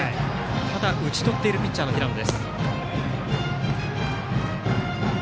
ただ、打ち取っているピッチャーの平野。